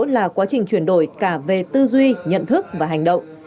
là quá trình chuyển đổi cả về tư duy nhận thức và hành động